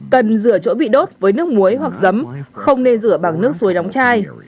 cần rửa chỗ bị đốt với nước muối hoặc giấm không nên rửa bằng nước suối nóng chai